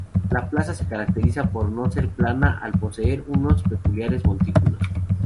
La plaza se caracteriza por no ser plana al poseer unos peculiares montículos.